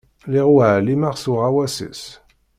Lliɣ ur εlimeɣ s uɣawas-is.